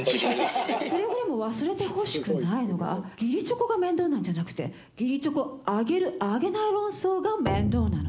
くれぐれも忘れてほしくないのが義理チョコが面倒なんじゃなくて義理チョコあげるあげない論争が面倒なの。